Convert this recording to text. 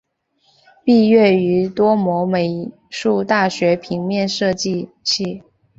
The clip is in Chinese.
毕业于多摩美术大学平面设计系。